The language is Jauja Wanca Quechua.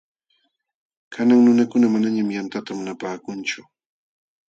Kanan nunakuna manañam yantata munapaakunchu.